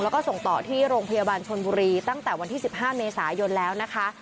แล้วก็ส่งต่อที่โรงพยาบาลชนบุรีตั้งแต่วันที่๑๕เมษายนแล้วนะคะ